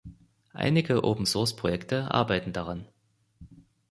Einige Open Source Projekte arbeiten daran.